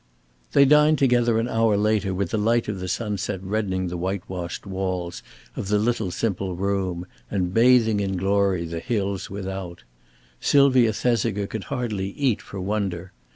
'" They dined together an hour later with the light of the sunset reddening the whitewashed walls of the little simple room and bathing in glory the hills without. Sylvia Thesiger could hardly eat for wonder.